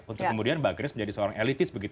untuk kemudian mbak grace menjadi seorang elitis begitu